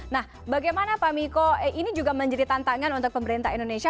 nah bagaimana pak miko ini juga menjadi tantangan untuk pemerintah indonesia